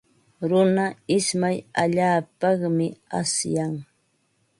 Runa ismay allaapaqmi asyan.